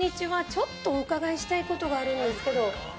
ちょっとお伺いしたいことがあるんですけど。